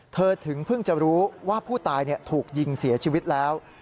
ถึงเพิ่งจะรู้ว่าผู้ตายถูกยิงเสียชีวิตแล้ว